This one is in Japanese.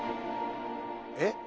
えっ？